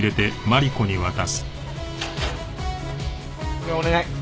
これお願い。